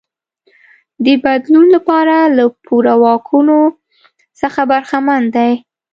د بدلون لپاره له پوره واکونو څخه برخمن دی.